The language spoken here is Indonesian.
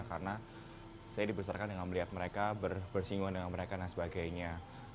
karena saya dibesarkan dengan melihat mereka bersinggung dengan mereka dan sebagainya